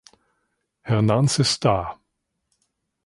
Herr Nans ist da.